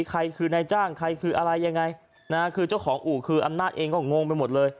ใครคือนายจ้างใครคืออะไรยังไงนะฮะคือเจ้าของอู่คืออำนาจเองก็งงไปหมดเลย